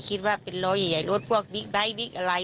คิดว่าเป็นล้อใหญ่รถพวกบิ๊กไบท์บิ๊กอะไร